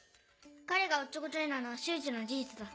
彼がおっちょこちょいなのは周知の事実だ。